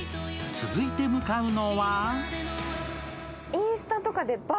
続いて向かうのは？